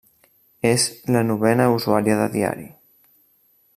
És la novena usuària de diari.